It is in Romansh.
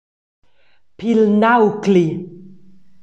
Pil naucli!